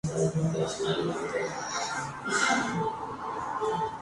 Estudió derecho y se recibió de abogada y Notario Público.